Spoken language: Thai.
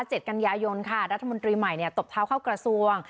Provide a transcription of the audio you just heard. เจ็ดกัญญายนค่ะรัฐมนตรีใหม่ตบเท้าเข้ากระทรวง